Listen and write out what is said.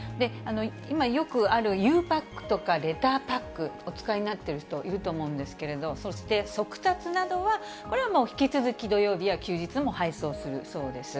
今、よくあるゆうパックとかレターパックをお使いになっている人、いると思うんですけれども、そして速達などはこれはもう、引き続き土曜日や休日も配送するそうです。